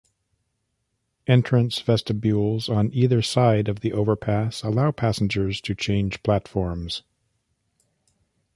Entrance vestibules on either side of the overpass allow passengers to change platforms.